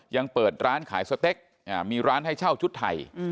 ยังเปิดร้านขายสเต็กมีร้านให้เช่าชุดไทย